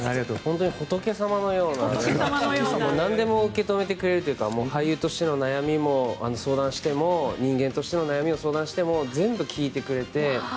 本当に仏様のようななんでも受け止めてくれるというか俳優としての悩みを相談しても人間としての悩みを相談しても全部聞いてくれて。